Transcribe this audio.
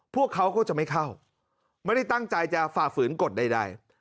พวกเขาก็จะไม่เข้าไม่ได้ตั้งใจจะฝ่าฝืนกฎใด